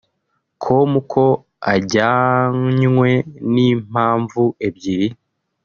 com ko ajyanywe n’impamvu ebyiri